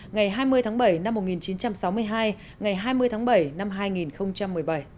ngày hai mươi tháng bảy năm một nghìn chín trăm sáu mươi hai ngày hai mươi tháng bảy năm hai nghìn một mươi bảy